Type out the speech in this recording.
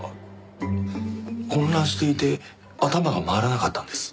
混乱していて頭が回らなかったんです。